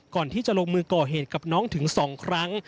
ก่อนที่จะลงมือก่อเหตุกับน้องถึง๒ครั้ง